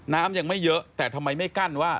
น้ำยังไม่เยอะแต่ทำไมไม่กั้นว่า